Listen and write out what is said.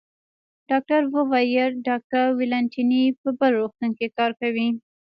ډاکټر وویل: ډاکټر والنتیني په بل روغتون کې کار کوي.